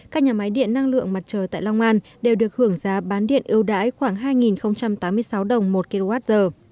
các nhà máy điện năng lượng mặt trời tại long an đều được hưởng giá bán điện ưu đãi khoảng hai tám mươi sáu đồng một kwh